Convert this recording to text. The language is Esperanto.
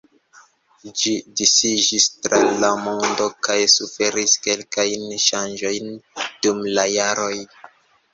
Ĝi disiĝis tra la mondo kaj suferis kelkajn ŝanĝojn dum la jaroj.